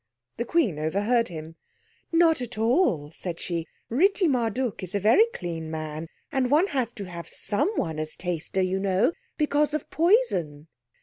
The Queen overheard him. "Not at all," said she. "Ritti Marduk is a very clean man. And one has to have someone as taster, you know, because of poison."